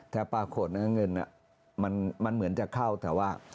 แต่ปรากฏเงินมันเหมือนจะเข้าแต่ว่า